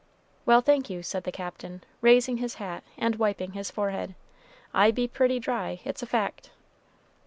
"Well, thank you," said the Captain, raising his hat and wiping his forehead, "I be pretty dry, it's a fact."